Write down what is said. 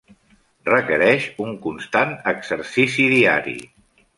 Requereix un constant exercici diari.